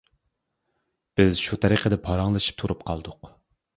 بىز شۇ تەرىقىدە پاراڭلىشىپ تۇرۇپ قالدۇق.